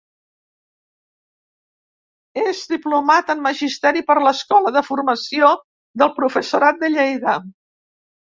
És Diplomat en Magisteri per l'Escola de Formació del Professorat de Lleida.